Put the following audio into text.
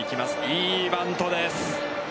いいバントです。